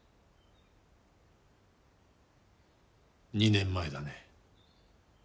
２年前だね